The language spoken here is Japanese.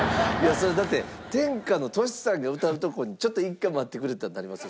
それだって天下のＴｏｓｈｌさんが歌うとこにちょっと一回待ってくれってなりますよ